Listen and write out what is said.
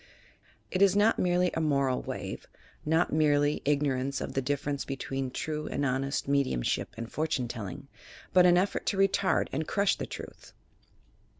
It is not merely a moral wave, not merely ignorance of the difference between true and honest me diumship and fortune telling, but an effort to retard and crush the truth.